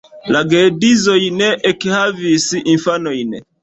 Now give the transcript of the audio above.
La geedzoj ne ekhavis infanojn.